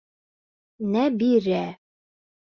Нәбирә!